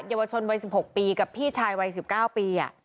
เยาวชนวัย๑๖ปีกับพี่ชายวัย๑๙ปี